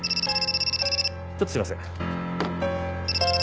ちょっとすいません。